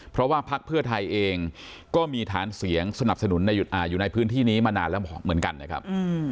เพราะว่าพักเพื่อไทยเองก็มีฐานเสียงสนับสนุนอยู่ในพื้นที่นี้มานานแล้วเหมือนกันนะครับ